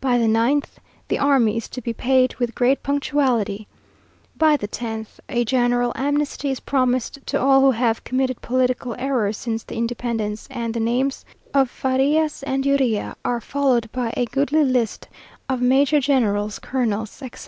By the ninth, the army is to be paid with great punctuality. By the tenth, a general amnesty is promised to all who have committed political errors since the Independence; and the names of Farias and Urrea are followed by a goodly list of major generals, colonels, etc.